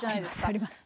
あります。